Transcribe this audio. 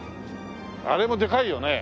あれもでかいよね？